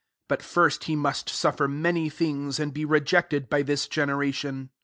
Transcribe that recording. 25 But first hd must suffer many things^ and be rejected by this generation.